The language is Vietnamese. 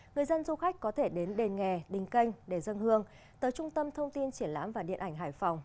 người dân du khách có thể đến đền nghề đình canh để dân hương tới trung tâm thông tin triển lãm và điện ảnh hải phòng